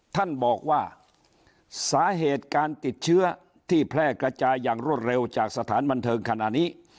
ท่านบอกว่าสาเหตุการติดเชื้อที่แพร่กระจายอย่างรวดเร็วจากสถานบันเทิงขณะนี้